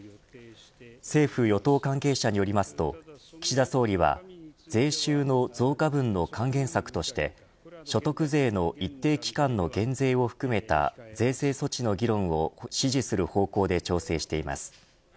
政府与党関係者によりますと岸田総理は税収の増加分の還元策として所得税の一定期間の減税を含めた税制措置の議論を指示する方向で調整しています。